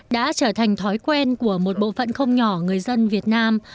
đã trở thành thói quen của một bộ phận không nhỏ người dân việt nam